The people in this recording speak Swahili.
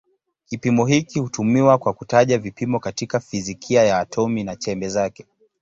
Kipimo hiki hutumiwa kwa kutaja vipimo katika fizikia ya atomi na chembe zake.